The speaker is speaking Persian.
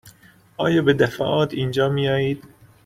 آیا به دفعات اینجا می آیید؟